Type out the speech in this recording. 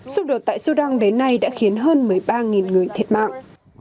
xung đột tại sudan đến nay đã khiến hơn một mươi ba người thiệt mạng